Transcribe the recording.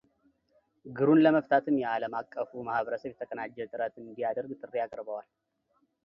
ግሩን ለመፍታትም የዓለም አቀፉ ማህበረሰብ የተቀናጀ ጥረት እንዲያደርግ ጥሪ አቅርበዋል፡፡